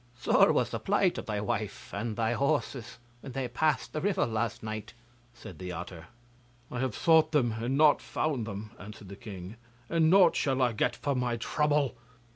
'Sore was the plight of thy wife and thy horses when they passed the river last night,' said the otter. 'I have sought them and not found them,' answered the king, 'and nought shall I get for my trouble.